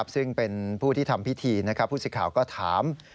ซึ่งเป็นผู้ที่ทำพิธีผู้สิทธิ์ข่าวก็ถาม